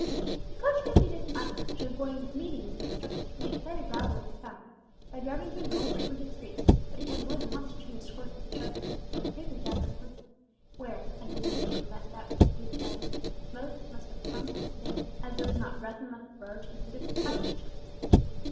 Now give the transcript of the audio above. The coachman did his utmost to avoid meeting with obstructions from the excited rabble of the town, by driving through little frequented streets, but he had more than once to turn his horses sharply, and hurry them down some lane where, had another vehicle met that which he was guiding, both must have come to a stand still, as there was not breadth enough of road to admit of their passing each other.